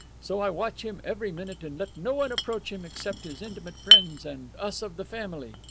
So I watch him every minute and let no one approach him except his intimate friends and us of the family.